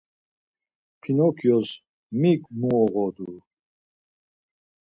Pinokyos mik mu oğodu?